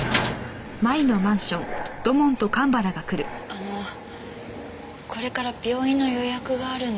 あのこれから病院の予約があるんで。